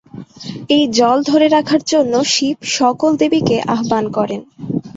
এই জল ধরে রাখার জন্য শিব সকল দেবীকে আহবান করেন।